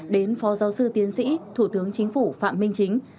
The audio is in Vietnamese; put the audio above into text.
đến phó giáo sư tiến sĩ thủ tướng chính phủ phạm minh chính